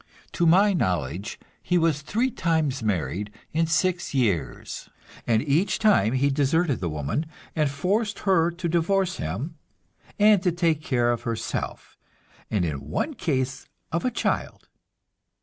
To my knowledge he was three times married in six years, and each time he deserted the woman, and forced her to divorce him, and to take care of herself, and in one case of a child.